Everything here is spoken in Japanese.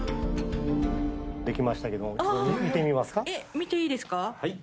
見ていいですか。